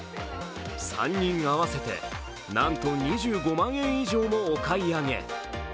３人合わせてなんと２５万円以上のお買い上げ。